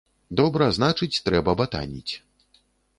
Добра, значыць трэба батаніць.